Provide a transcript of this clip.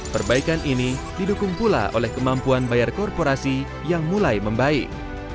perbaikan ini didukung pula oleh kemampuan bayar korporasi yang mulai membaik